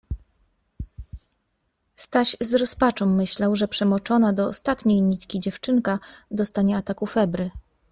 Staś z rozpaczą myślał, że przemoczona do ostatniej nitki dziewczynka dostanie ataku febry.